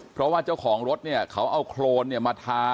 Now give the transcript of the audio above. เพราะว่าเจ้าของรถเนี่ยเขาเอาโครนมาทา